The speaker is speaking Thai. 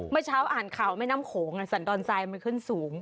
เมื่อเช้าอ่านข่าวใหม่น้ำโขงสรรดอนไซน์ได้ขึ้นสูง